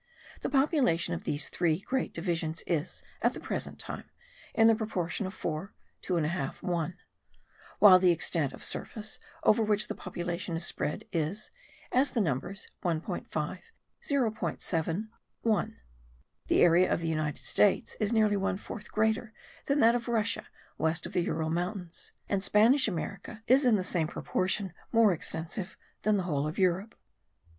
The population of these three great divisions is, at the present time, in the proportion of 4, 2 1/2, 1; while the extent of surface over which the population is spread is, as the numbers 1.5, 0.7, 1. The area of the United States* is nearly one fourth greater than that of Russia west of the Ural mountains; and Spanish America is in the same proportion more extensive than the whole of Europe.